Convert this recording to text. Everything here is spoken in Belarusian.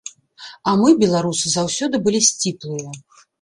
А мы, беларусы, заўсёды былі сціплыя.